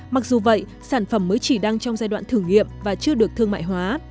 mặc dù vậy sản phẩm mới chỉ đang trong giai đoạn thử nghiệm và chưa được thương mại hóa